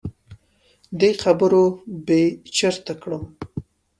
دې خبرو بې چرته کړم.